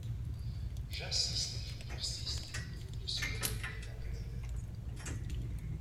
J’insiste et je persiste : il vaut mieux se retourner vers le bailleur.